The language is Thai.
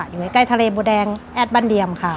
อยู่ใกล้ทะเลโบดิงแอดบั้นเดียม